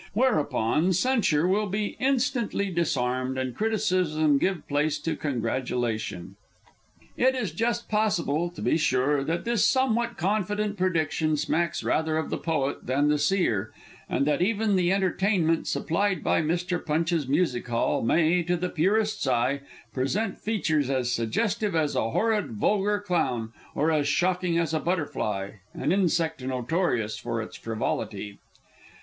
Whereupon censure will be instantly disarmed and criticism give place to congratulation. It is just possible, to be sure, that this somewhat confident prediction smacks rather of the Poet than the Seer, and that even the entertainment supplied by Mr. Punch's Music Hall may, to the Purist's eye, present features as suggestive as a horrid vulgar clown, or as shocking as a butterfly, an insect notorious for its frivolity.